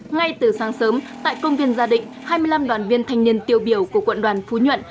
ngay từ sáng sớm tại công viên gia định hai mươi năm đoàn viên thanh niên tiêu biểu của quận đoàn phú nhuận